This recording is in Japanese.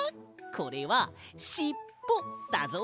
これはしっぽだぞ。